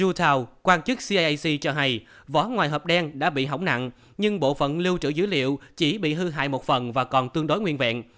utah quan chức ciac cho hay vỏ ngoài hộp đen đã bị hỏng nặng nhưng bộ phận lưu trữ dữ liệu chỉ bị hư hại một phần và còn tương đối nguyên vẹn